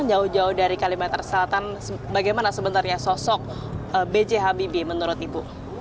jauh jauh dari kalimantan selatan bagaimana sebenarnya sosok b j habibie menurut ibu